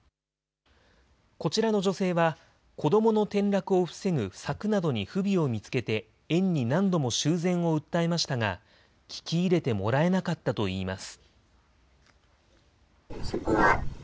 こちらの女性は、子どもの転落を防ぐ柵などに不備を見つけて、園に何度も修繕を訴えましたが、聞き入れてもらえなかったといいます。